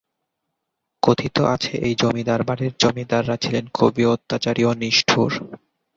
কথিত আছে এই জমিদার বাড়ির জমিদাররা ছিলেন খুবই অত্যাচারী ও নিষ্ঠুর।